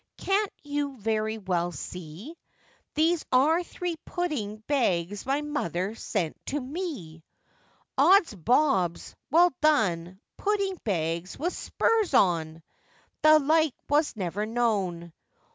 can't you very well see, These are three pudding bags my mother sent to me?' 'Ods bobs! well done! pudding bags with spurs on! The like was never known!